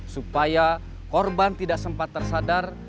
supaya korban tidak sempat tersadar